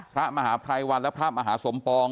พระมหาไพรวันพระมหาสมปอง